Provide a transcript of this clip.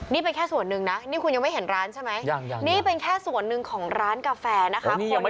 นี่เป็นแค่ส่วนหนึ่งนะนี่คุณยังไม่เห็นร้านใช่ไหมนี่เป็นแค่ส่วนหนึ่งของร้านกาแฟนะคะ